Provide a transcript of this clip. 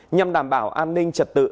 nhằm đảm bảo an ninh trật tự